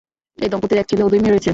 এই দম্পতির এক ছেলে ও দুই মেয়ে রয়েছে।